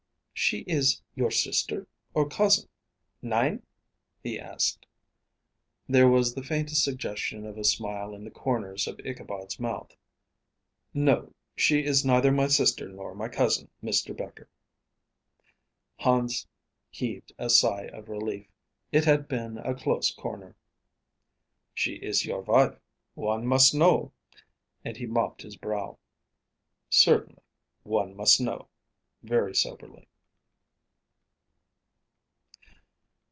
"She is your sister or cousin nein?" he asked. There was the faintest suggestion of a smile in the corners of Ichabod's mouth. "No, she is neither my sister nor my cousin, Mr. Becher." Hans heaved a sigh of relief: it had been a close corner. "She is your wife. One must know," and he mopped his brow. "Certainly one must know," very soberly.